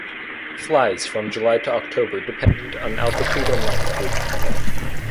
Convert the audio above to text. Flies from July to October dependent on altitude and latitude.